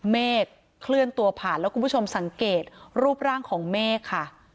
เมฆเคลื่อนตัวผ่านแล้วคุณผู้ชมสังเกตรูปร่างของเมฆค่ะ